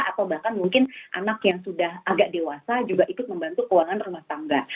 atau bahkan mungkin anak yang sudah agak dewasa juga ikut membantu keuangan rumah tangga